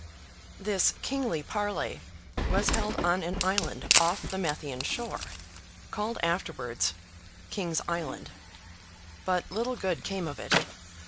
This "kingly parlee" was held on an island off the Methian shore, called afterwards "King's Island." But little good came of it.